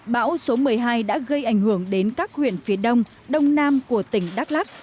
bão số một mươi hai đã gây ảnh hưởng đến các huyện phía đông đông nam của tỉnh đắk lắc